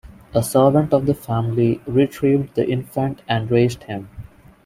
A servant of the family retrieved the infant and raised him.